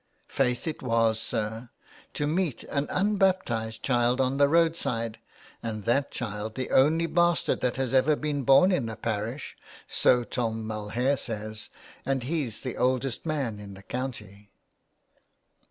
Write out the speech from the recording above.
" Faith it was, sir, to meet an unbaptised child on the road side, and that child the only bastard that was ever born in the parish — so Tom Mulhare says, and he's the oldest man in the county."